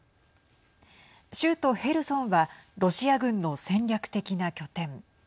州都ヘルソンはロシア軍の戦略的な拠点。